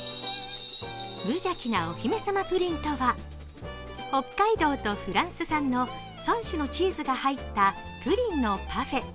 無邪気なお姫様プリンとは北海道とフランス産の３種のチーズが入ったプリンのパフェ。